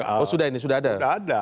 oh sudah ini sudah ada